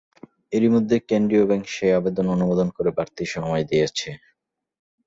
এরই মধ্যে কেন্দ্রীয় ব্যাংক সেই আবেদন অনুমোদন করে বাড়তি সময় দিয়েছে।